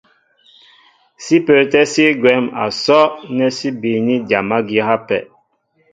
Sí pə́ə́tɛ́ sí gwɛ̌m a sɔ́' nɛ́ sí bííní dyam ági á hápɛ.